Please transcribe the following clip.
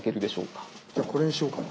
じゃあこれにしようかな。